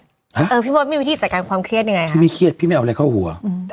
เออพี่มดมีวิธีจัดการความเครียดยังไงคะพี่ไม่เครียดพี่ไม่เอาอะไรเข้าหัวอืม